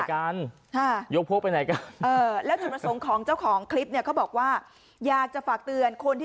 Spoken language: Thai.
คนเข้าไปดูเยอะมาก